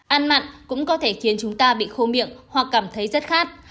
ăn mặn cũng có thể khiến chúng ta bị khô miệng hoặc cảm thấy rất khác